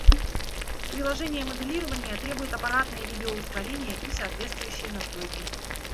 Приложение моделирования требует аппаратное видео-ускорение и соответствующие настройки